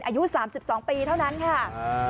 อายุ๓๒ปีเท่านั้นค่ะ